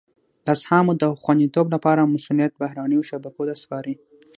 د اسهامو د خوندیتوب لپاره مسولیت بهرنیو شبکو ته سپاري.